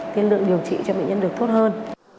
tiên lượng điều trị cho bệnh nhân được tốt hơn